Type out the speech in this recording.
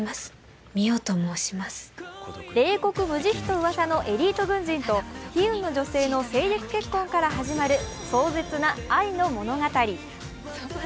冷酷無慈悲とうわさのエリート軍人と悲運の女性の政略結婚から始まる壮絶な愛の物語。